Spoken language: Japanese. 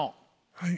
はい。